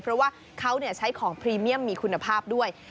เพราะว่าเขาใช้ของพรีเมียมมีคุณภาพด้วย